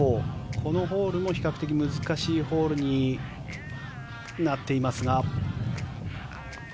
このホールも比較的難しいホールになっていますが。